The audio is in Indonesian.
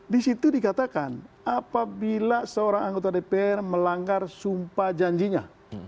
di situ dikatakan apabila seorang anggota dpr melanggar sumpah janjinya